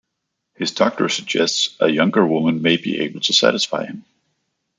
His doctor suggests a younger woman maybe able to satisfy him.